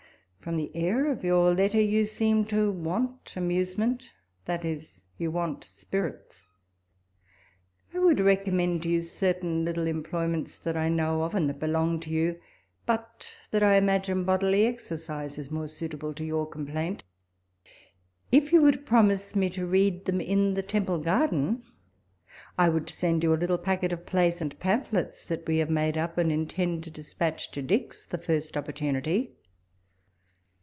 From the air of your letter you seem to want amusement, that 'is, you want spirits. I would recommend to you certain little employments that I know of, and that belong to you, but that I imagine bodily exercise is more suitable to your complaint. If you would promise me to read them in the Temple garden, I would send you a little packet of plays and pamphlets that we have made up, and intend to dispatch to '■'Dick's'" the first opportunity.